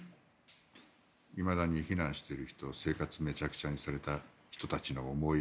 いまだに避難している人生活をめちゃくちゃにされた人たちの思い。